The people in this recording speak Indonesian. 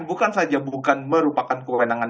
bukan saja bukan merupakan kewenangan